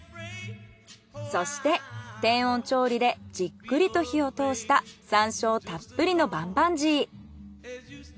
そして低温調理でじっくりと火を通した山椒たっぷりのバンバンジー。